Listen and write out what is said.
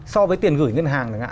so với tiền gửi ngân hàng